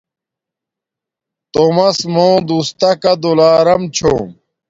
تومس مو دوس تکا دولارم چھوم